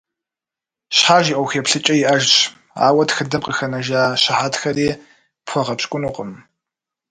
Щхьэж и ӏуэху еплъыкӏэ иӏэжщ, ауэ тхыдэм къыхэнэжа щыхьэтхэри пхуэгъэпщкӏунукъым.